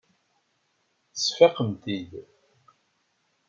Tesfaqemt-tt-id.